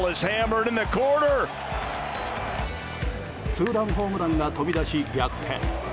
ツーランホームランが飛び出し逆転。